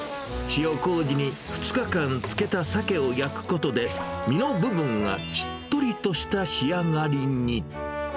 塩こうじに２日間、漬けたサケを焼くことで、身の部分がしっとりとした仕上がりに。